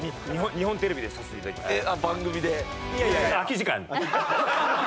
日本テレビでさせていただきました。